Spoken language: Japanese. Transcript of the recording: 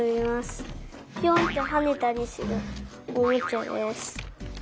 ぴょんってはねたりするおもちゃです。